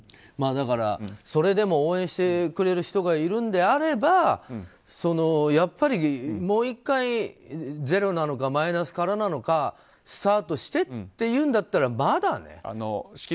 だからそれでも応援してくれる人がいるんであればもう１回、ゼロなのかマイナスからなのかスタートしてっていうんだったらまだね。